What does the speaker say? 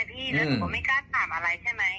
พี่ไม่ได้มาจัดชดน้า